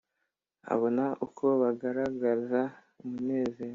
abona uko bagaragaza umunezero